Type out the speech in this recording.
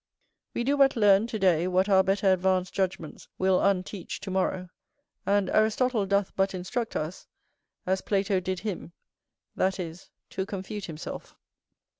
We do but learn, to day, what our better advanced judgments will unteach to morrow; and Aristotle doth but instruct us, as Plato did him, that is, to confute himself.